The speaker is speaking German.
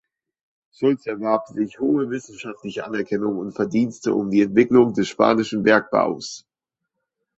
Schulz erwarb sich hohe wissenschaftliche Anerkennung und Verdienste um die Entwicklung des spanischen Bergbaus.